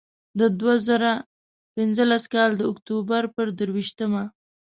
د دوه زره پینځلس کال د اکتوبر پر درویشتمه.